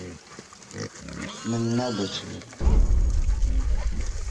Min nebir.